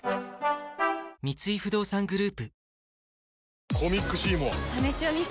三井不動産グループ